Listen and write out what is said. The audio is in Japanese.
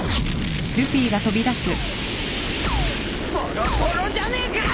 ボロボロじゃねえか！